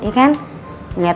ngeliatnya juga kita enak